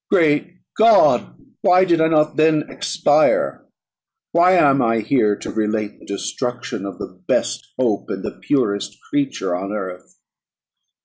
Great God! why did I not then expire! Why am I here to relate the destruction of the best hope, and the purest creature of earth?